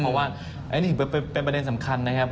เพราะว่าอันนี้ถือเป็นประเด็นสำคัญนะครับ